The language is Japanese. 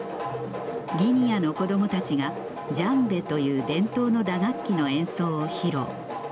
ギニアの子供たちがジャンベという伝統の打楽器の演奏を披露